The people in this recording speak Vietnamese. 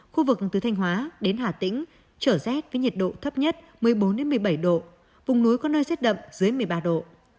khu vực từ thanh hóa đến hà tĩnh trở rét với nhiệt độ thấp nhất một mươi bốn một mươi bảy độ vùng núi có nơi rét đậm dưới một mươi ba độ